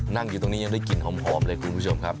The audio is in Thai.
นั่งอยู่ตรงนี้ยังได้กลิ่นหอมเลยคุณผู้ชมครับ